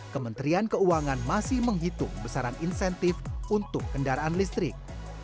kementerian keuangan masih menghitung besaran insentif untuk kendaraan listrik